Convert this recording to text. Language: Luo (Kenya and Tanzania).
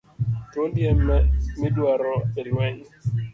Thuondi e midwaro e lweny.